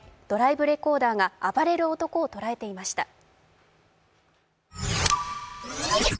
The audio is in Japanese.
ドライブレコーダーが暴れる男を捉えていました。